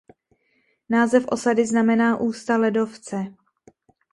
Název osady znamená "ústa ledovce".